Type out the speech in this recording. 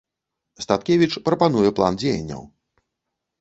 Статкевіч прапануе план дзеянняў.